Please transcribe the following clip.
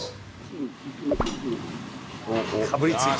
かぶりついた。